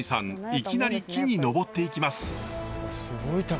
いきなり木に登っていきます。